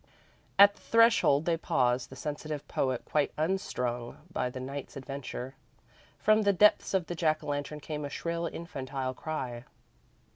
At the threshold they paused, the sensitive poet quite unstrung by the night's adventure. From the depths of the Jack o' Lantern came a shrill, infantile cry.